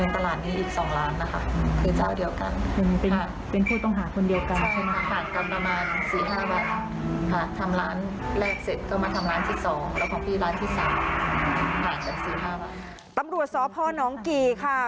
ตำรวจสอบความเสียหายหนองกี่ครับ